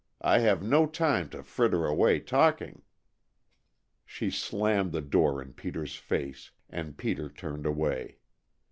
I have no time to fritter away talking." She slammed the door in Peter's face, and Peter turned away.